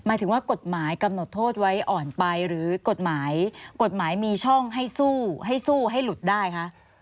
ถึงว่ากฎหมายกำหนดโทษไว้อ่อนไปหรือกฎหมายกฎหมายมีช่องให้สู้ให้สู้ให้หลุดได้คะ